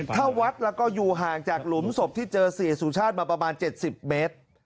ถ้าวัดแล้วก็อยู่ห่างจากหลุมศพที่เจอเสียสุชาติมาประมาณ๗๐เมตร